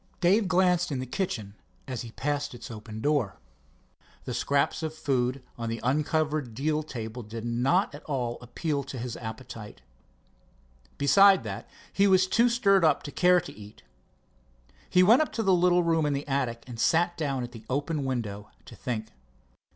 Dave glanced into the kitchen as he passed its open door. The scraps of food on the uncovered deal table did not at all appeal to his appetite. Besides that, he was too stirred up to care to eat. He went up to his little room in the attic and sat down at the open window to think.